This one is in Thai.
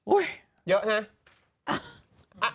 อุ้ยเยอะใช่ไหม